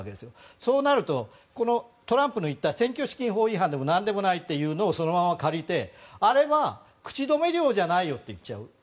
そうなるとトランプの言った選挙資金法違反でも何でもないというのをそのまま借りてあれは口止め料じゃないよと言っちゃう。